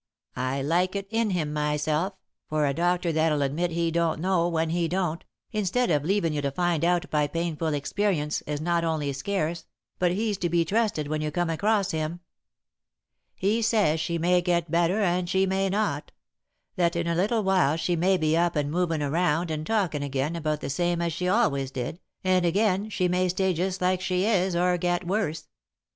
I like it in him myself, for a doctor that'll admit he don't know, when he don't, instead of leavin' you to find out by painful experience, is not only scarce, but he's to be trusted when you come across him. "He says she may get better and she may not that in a little while she may be up and movin' around and talkin' again about the same as she always did, and again, she may stay just like she is, or get worse.